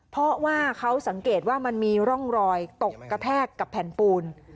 เพราะว่าเขาสังเกตว่ามันมีร่องรอยตกกระแทกกับแผ่นปูน